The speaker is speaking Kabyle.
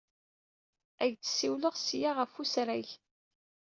Ad ak-d-ssiwleɣ ssya ɣef usrag.